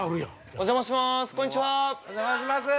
◆お邪魔します。